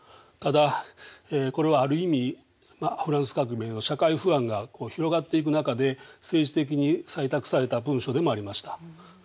ただこれはある意味フランス革命の社会不安が広がっていく中で政治的に採択された文書でもありました。